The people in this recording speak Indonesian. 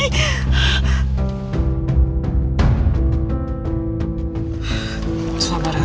masalah bareng lah